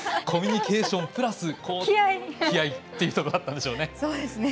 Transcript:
コミュニケーションプラス気合いっていうのがあったんでしょうね。